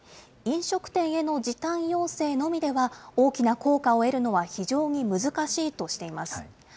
飲食店への時短要請のみでは大きな効果を得るのは非常に難しいとしています。